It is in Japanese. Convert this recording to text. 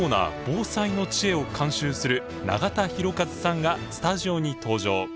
「防災の知恵」を監修する永田宏和さんがスタジオに登場。